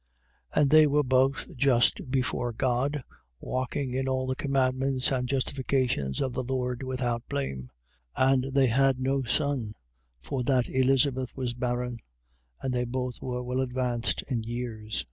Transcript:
And they were both just before God, walking in all the commandments and justifications of the Lord without blame. 1:7. And they had no son, for that Elizabeth was barren: and they both were well advanced in years.